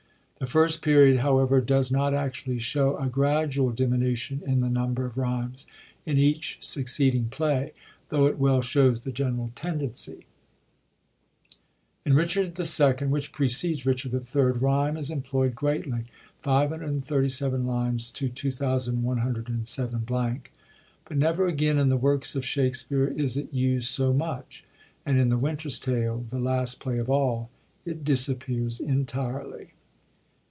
The first period, however, does not actually show a gradual diminution in the number of rymes in each succeeding play, though it well shows the general tendency. In Richard IL, which precedes Richard IIL, ryme is employd greatly (637 lines to 2,107 blank), but never again in the works of Shakspere is it used so much ; and in The Winter'a TaZe, the last play of all, it disappears entirely.